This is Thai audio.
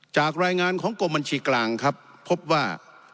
จากรายงานของกรมบัญชีกลางครับพบว่า